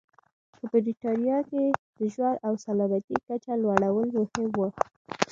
په برېټانیا کې د ژوند او سلامتیا کچې لوړول مهم و.